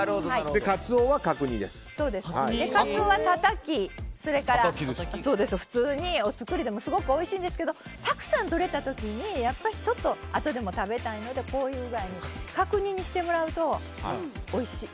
カツオはたたき普通にお造りでもすごくおいしいんですけどたくさんとれた時にちょっとあとでも食べたいのでこういう具合に角煮にしてもらうとおいしい。